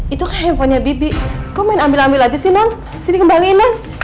itu kan handphonenya bibi kamu main ambil ambil saja sih non sini kembali non